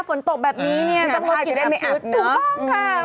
ฝนตกแบบนี้เนี่ยสมมติกลิ่นอับชุดถูกต้องค่ะ